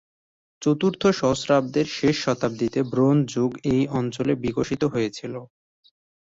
চতুর্থ সহস্রাব্দের শেষ শতাব্দীতে ব্রোঞ্জ যুগ এই অঞ্চলে বিকশিত হয়েছিল।